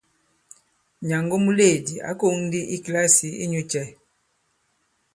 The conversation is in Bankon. Nyàngo muleèdi ǎ kōŋ ndi i kìlasì inyū cɛ ?